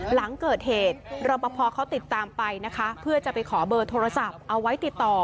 หลังเกิดเหตุรอปภเขาติดตามไปนะคะเพื่อจะไปขอเบอร์โทรศัพท์เอาไว้ติดต่อ